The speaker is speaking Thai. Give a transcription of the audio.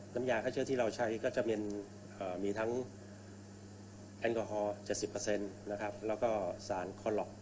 น้ำยาฆ่าเชื้อที่เราใช้ก็จะมีทั้งแอนโกฮอร์๗๐และก็สารโคล็อฟ